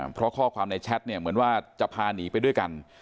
เพราะข้อความในแชทเนี่ยเหมือนว่าจะพาหนีไปด้วยกัน